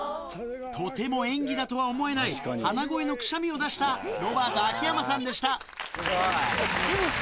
とても演技だとは思えない鼻声のくしゃみを出したロバート・秋山さんでしたすごい！